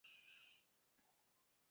在两者间加入三角形和正五边形。